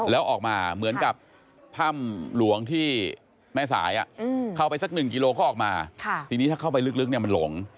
แล้วออกมาเหมือนกับถ้ำหลวงที่แม่สายเข้าไปสักหนึ่งกิโลก็ออกมาทีนี้ถ้าเข้าไปลึกเนี่ยมันหลง